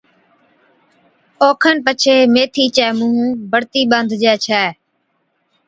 اوکن پڇي ميٿي چَي مُونھ بڙتِي ٻانڌجَي ڇَي